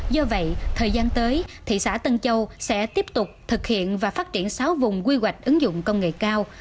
do vậy thời gian tới thị xã tân châu sẽ tiếp tục thực hiện và phát triển sáu vùng quy hoạch ứng dụng công nghệ cao